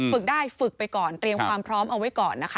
ฝึกได้ฝึกไปก่อนเตรียมความพร้อมเอาไว้ก่อนนะคะ